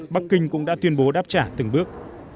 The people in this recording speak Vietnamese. bắc kinh cũng đã tuyên bố đáp trả từng bước